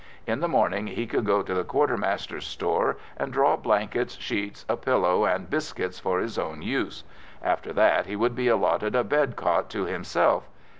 In the morning he could go to the quartermaster's store and draw blankets, sheets, a pillow, and "biscuits" for his own use. After that, he would be allotted a bed cot to himself.